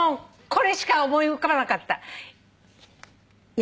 これしか思い浮かばなかった。